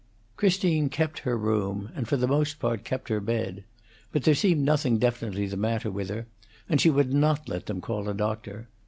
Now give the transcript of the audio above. Christine kept her room, and for the most part kept her bed; but there seemed nothing definitely the matter with her, and she would not let them call a doctor.